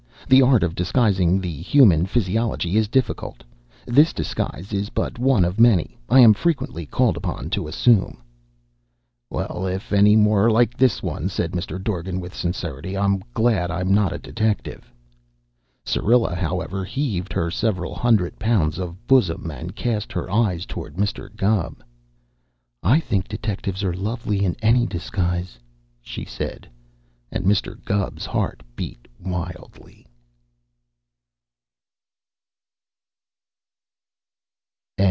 The art of disguising the human physiology is difficult. This disguise is but one of many I am frequently called upon to assume." "Well, if any more are like this one," said Mr. Dorgan with sincerity, "I'm glad I'm not a detective." Syrilla, however, heaved her several hundred pounds of bosom and cast her eyes toward Mr. Gubb. "I think detectives are lovely in any disguise," she said, and Mr. Gubb's heart beat wildly.